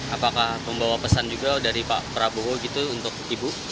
apakah membawa pesan juga dari pak prabowo gitu untuk ibu